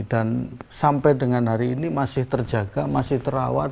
dan sampai dengan hari ini masih terjaga masih terawat